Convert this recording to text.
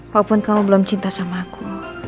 walaupun kamu belum cinta sama aku